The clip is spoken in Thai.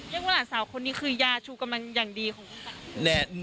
ว่าหลานสาวคนนี้คือยาชูกำลังอย่างดีของคุณตา